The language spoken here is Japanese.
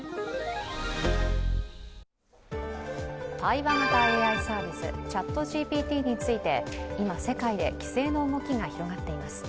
対話型ＡＩサービス、ＣｈａｔＧＰＴについて今、世界で規制の動きが広がっています。